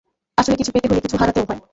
আসলে, কিছু পেতে হলে কিছু হারাতেও হয়।